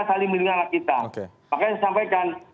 saling melindungi anak kita makanya sampai sekarang